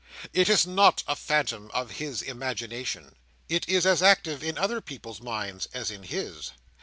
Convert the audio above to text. It is not a phantom of his imagination. It is as active in other people's minds as in his.